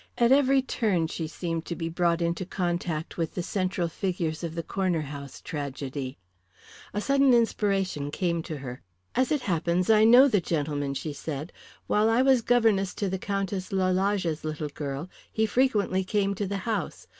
At every turn she seemed to be brought into contact with the central figures of the Corner House tragedy. A sudden inspiration came to her. "As it happens, I know the gentleman," she said. "When I was governess to the Countess Lalage's little girl he frequently came to the house.